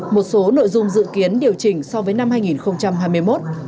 một số nội dung dự kiến điều chỉnh so với năm hai nghìn hai mươi một